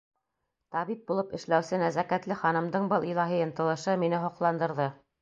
Табип булып эшләүсе нәзәкәтле ханымдың был илаһи ынтылышы мине һоҡландырҙы.